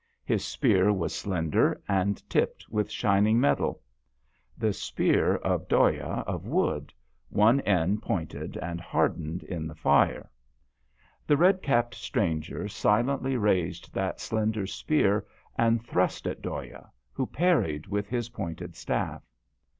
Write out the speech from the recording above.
His spear was slender and tipped with shining metal ; the spear of Dhoya of wood, one end pointed and har dened in the fire. The red 1 86 DHOYA. capped stranger silently raised that slender spear and thrust at Dhoya, who parried with his pointed staff.